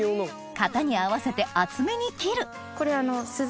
型に合わせて厚めに切るこれ。